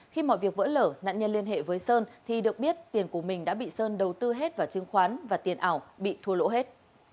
khi mọi việc vỡ lở nạn nhân liên hệ với sơn thì được biết tiền của mình đã bị sơn đầu tư hết vào chứng khoán và tiền ảo bị thua lỗ hết